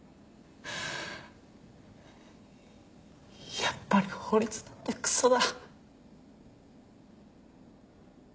やっぱり法律なんてくそだ。